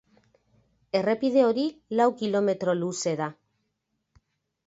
Errepide hori lau kilometro luze da.